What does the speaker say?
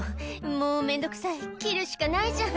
「もう面倒くさい切るしかないじゃん」